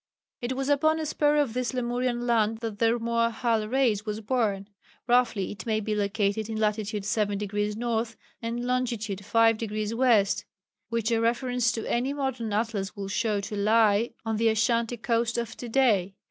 It was upon a spur of this Lemurian land that the Rmoahal race was born. Roughly it may be located at latitude 7° north and longitude 5° west, which a reference to any modern atlas will show to lie on the Ashanti coast of to day.